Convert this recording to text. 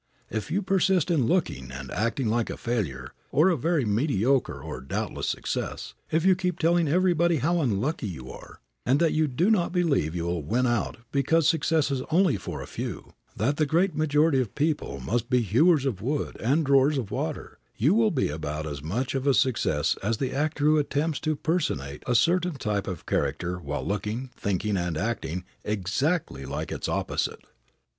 If you persist in looking and acting like a failure or a very mediocre or doubtful success, if you keep telling everybody how unlucky you are, and that you do not believe you will win out because success is only for a few, that the great majority of people must be hewers of wood and drawers of water, you will be about as much of a success as the actor who attempts to personate a certain type of character while looking, thinking and acting exactly like its opposite.